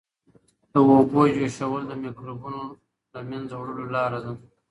د اوبو جوشول د مکروبونو د له منځه وړلو لاره ده.